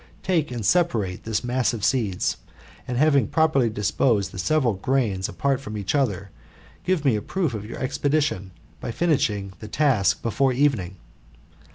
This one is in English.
Take and separate this mass of seeds, and having properly disposed the several grains apart from each other, give me a proof of your expedition, by finishing the task before evening."